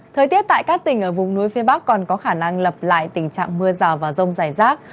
thời tiết tại các tỉnh ở vùng núi phía bắc còn có khả năng lập lại tình trạng mưa rào và rông dài rác